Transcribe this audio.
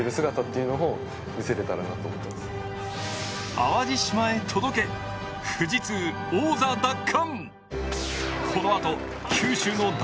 淡路島へ届け、富士通王座奪還。